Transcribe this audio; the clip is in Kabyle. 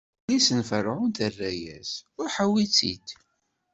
Yelli-s n Ferɛun terra-as: Ruḥ awi-tt-id!